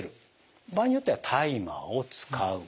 場合によってはタイマーを使う。